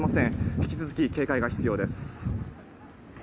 引き続き警戒が必要です。